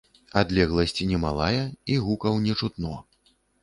Адлегласць не малая, і гукаў не чутно.